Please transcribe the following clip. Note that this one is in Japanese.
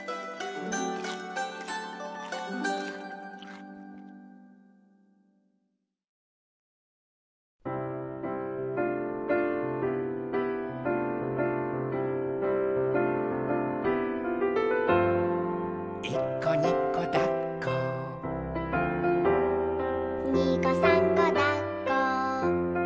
「いっこにこだっこ」「にこさんこだっこ」